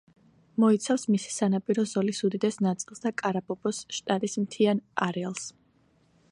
მოიცავს მისი სანაპირო ზოლის უდიდეს ნაწილს და კარაბობოს შტატის მთიან არეალს.